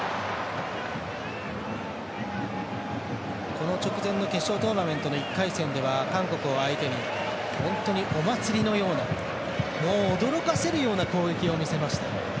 この直前の決勝トーナメントの１回戦では韓国を相手に本当にお祭りのような驚かせるような攻撃を見せました。